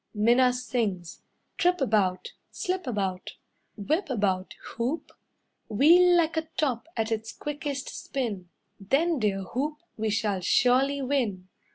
Minna sings: "Trip about, slip about, whip about Hoop. Wheel like a top at its quickest spin, Then, dear hoop, we shall surely win.